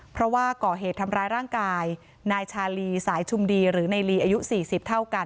เพราะว่าก่อเหตุทำร้ายร่างกายนายชาลีสายชุมดีหรือในลีอายุ๔๐เท่ากัน